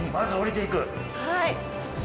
はい。